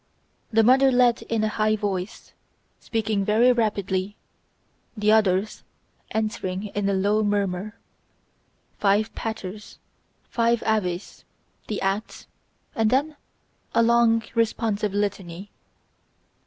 The mother led in a high voice, speaking very rapidly, the others answering in a low murmur. Five Paters, five Aves, the Acts, and then a long responsive Litany.